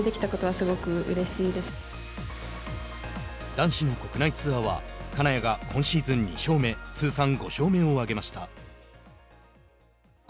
男子の国内ツアーは金谷が今シーズン２勝目通算５勝目を挙げました。